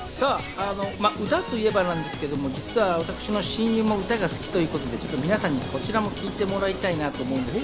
歌といえばなんですけど、実は私の親友も歌が好きということで、皆さんにこちらも聴いてもらいたいなと思うんです。